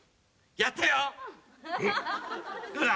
やったよ。